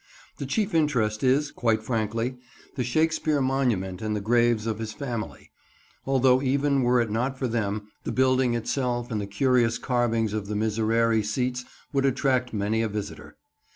The chief interest is, quite frankly, the Shakespeare monument and the graves of his family; although even were it not for them, the building itself and the curious carvings of the miserere seats would attract many a visitor.